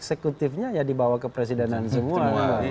eksekutifnya ya dibawa ke presidenan semua